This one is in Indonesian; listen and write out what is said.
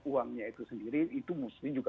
uangnya itu sendiri itu mesti juga